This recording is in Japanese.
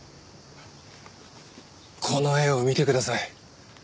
この絵を見てください。